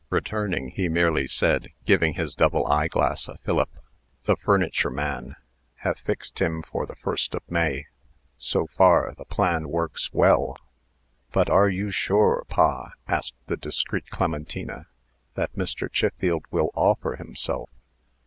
Returning, he merely said, giving his double eyeglass a fillip, "The furniture man. Have fixed him for the 1st of May. So far, the plan works well." "But are you sure, pa," asked the discreet Clementina, "that Mr. Chiffield will offer himself?"